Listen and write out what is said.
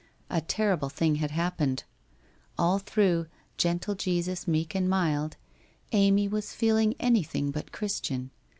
A terrible thing had happened. All through ' Gentle Jesus meek and mild ' Amy was feeling anything but Christian.